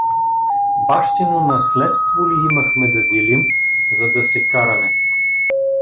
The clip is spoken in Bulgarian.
Бащино наследство ли имахме да делим, за да се караме?